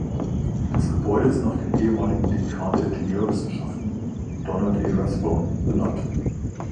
Das Gebäude ist nach dem ehemaligen Dekan der Ingenieurwissenschaften, Donald E. Rathbone, benannt.